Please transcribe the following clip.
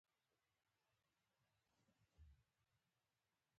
تماسونو ته دوام ورکړ.